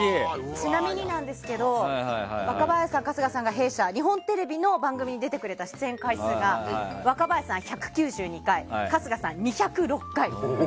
ちなみに若林さん、春日さんが弊社日本テレビの番組に出てくれた出演回数が若林さん１９２回春日さん２０６回。